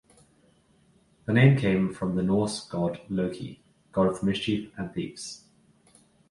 The name came from the Norse god Loki, god of mischief and thieves.